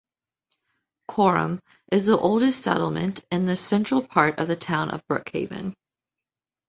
Coram is the oldest settlement in the central part of the town of Brookhaven.